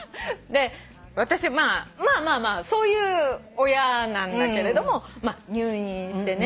私まあまあそういう親なんだけれども入院してね。